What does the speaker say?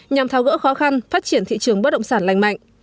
nhằm tháo gỡ khó khăn phát triển thị trường bất động sản lành mạnh